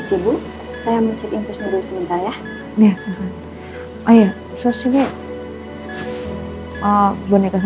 itu gue kat